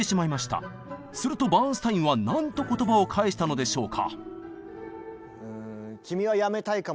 するとバーンスタインは何と言葉を返したのでしょうか？